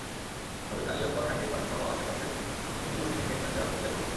তবে কালিয়াকৈর হাইটেক পার্কসহ আশপাশের তিনটি ক্রসিংয়ে গেটম্যান দেওয়ার প্রক্রিয়া চলছে।